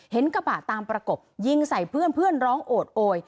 เห็นกระบะตามประกบยิงใส่เพื่อนเพื่อนร้องโอดโอย